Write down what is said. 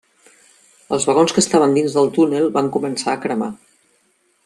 Els vagons que estaven dins del túnel van començar a cremar.